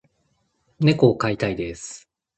猫を飼いたいです。